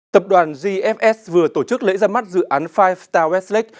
tập đoàn gms vừa tổ chức lễ ra mắt dự án five star westlake